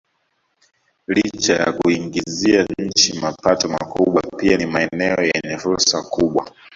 Licha ya kuiingizia nchi mapato makubwa pia ni maeneo yenye fursa kubwa